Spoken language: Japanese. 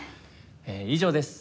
以上です。